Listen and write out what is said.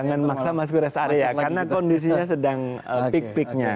jangan maksa masuk ke rest area karena kondisinya sedang peak peaknya